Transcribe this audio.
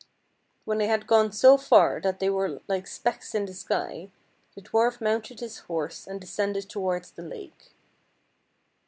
When they had gone so far that they were like specks in the sky, the dwarf mounted his horse and descended towards the lake.